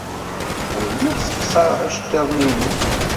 Ur lliɣ ssexṣareɣ iceḍḍiḍen-inu.